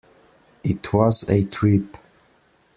It was a trip.